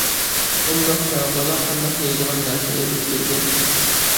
ئۇنداقتا بالا قانداق يەيدىغان نەرسە ئىلىپ كەلگەن!